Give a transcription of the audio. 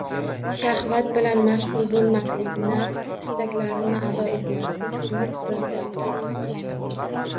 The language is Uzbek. Shahvat bilan mashg‘ul bo‘lmaslik, nafs istaklarini ado etmaslik - buyuk bir davlat!